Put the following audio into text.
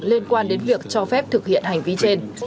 liên quan đến việc cho phép thực hiện hành vi trên